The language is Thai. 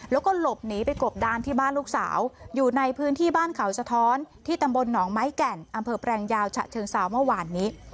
แล้วก็หลบหนีไปกบดานที่บ้านลูกสาวอยู่ในพื้นที่บ้านเขาสะท้อนที่ตำบลหนองไม้แก่นอำเภอแปลงยาวฉะเชิงเซาเมื่อวานนี้